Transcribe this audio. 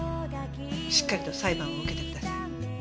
しっかりと裁判を受けてください。